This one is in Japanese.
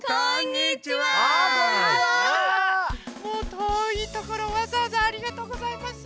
もうとおいところわざわざありがとうございます。